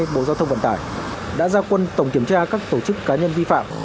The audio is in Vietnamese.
bộ giao thông vận tải đã ra quân tổng kiểm tra các tổ chức cá nhân vi phạm